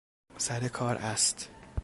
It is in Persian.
سر کار است.